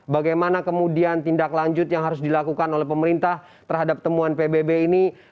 bagaimana kemudian tindak lanjut yang harus dilakukan oleh pemerintah terhadap temuan pbb ini